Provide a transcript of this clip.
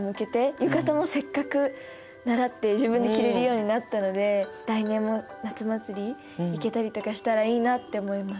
浴衣もせっかく習って自分で着れるようになったので来年も夏祭り行けたりとかしたらいいなって思います。